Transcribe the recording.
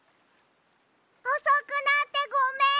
おそくなってごめん！